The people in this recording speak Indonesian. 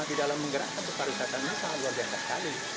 di dalam menggerakkan keparisataan ini sangat luar biasa sekali